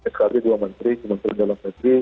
skb dua menteri kementerian dalam negeri